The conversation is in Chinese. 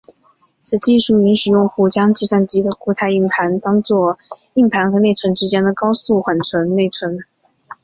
此技术允许用户将计算机的固态硬盘当做硬盘和内存之间的高速缓存内存。